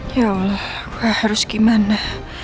ya allah harus gimana